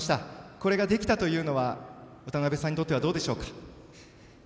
これができたというのは渡部さんにとってはどうでしょうか。